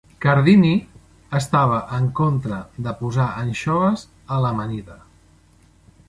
Cardini estava en contra de posar anxoves a l'amanida.